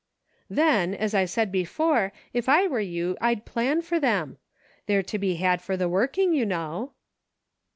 "Then, as I said before, if I were you I'd plan for them ; they're to be had for the working, you know."